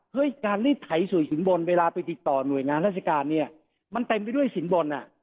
การรีดไถสู่สินบนเวลาไปติดต่อหน่วยงานราชการเนี่ยมันเต็มไปด้วยสินบนอ่ะ